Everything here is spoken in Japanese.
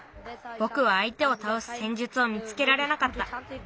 ぼくはあいてをたおすせんじゅつを見つけられなかった。